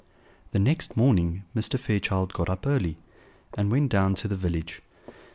The next morning Mr. Fairchild got up early, and went down to the village.